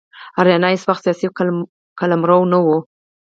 آریانا هیڅ وخت سیاسي قلمرو نه و.